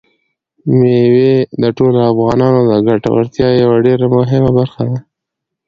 مېوې د ټولو افغانانو د ګټورتیا یوه ډېره مهمه برخه ده.